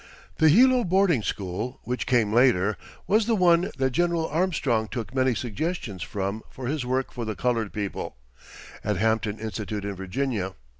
The Hilo boarding school, which came later, was the one that General Armstrong took many suggestions from for his work for the coloured people, at Hampton Institute in Virginia.